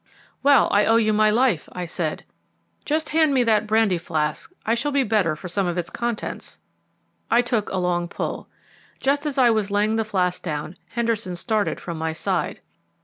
"Well, I owe you my life," I said; "just hand me that brandy flask, I shall be the better for some of its contents." I took a long pull. Just as I was laying the flask down Henderson started from my side.